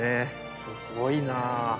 すごいな。